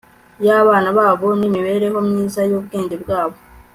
yabana babo nimibereho myiza yubwenge bwabo